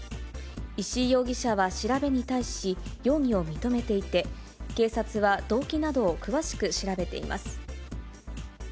石井容疑者は調べに対し、容疑を認めていて、警察は動機などを詳しく調べています。